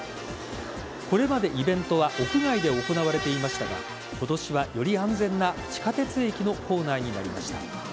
これまでイベントは屋外で行われていましたが今年はより安全な地下鉄駅の構内になりました。